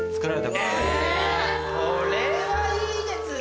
これはいいですね！